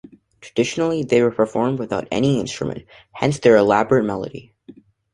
Traditionally, they were performed without any instrument, hence their elaborate melody.